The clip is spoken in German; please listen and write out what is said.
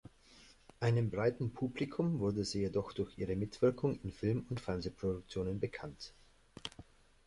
Einem breiten Publikum wurde sie jedoch durch ihre Mitwirkung in Film- und Fernsehproduktionen bekannt.